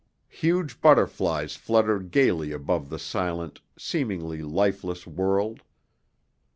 Huge butterflies fluttered gayly above the silent, seemingly lifeless world.